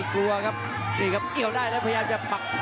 กลัวครับนี่ครับเกี่ยวได้แล้วพยายามจะปัก